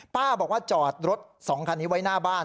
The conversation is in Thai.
ป้าบอกว่าจอดรถ๒คันนี้ไว้หน้าบ้าน